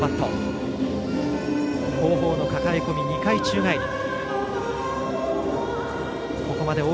後方のかかえ込み２回宙返り。